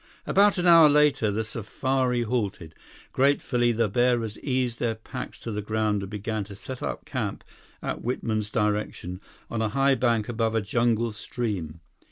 About an hour later, the safari halted. Gratefully, the bearers eased their packs to the ground and began to set up camp at Whitman's direction, on a high bank above a jungle stream.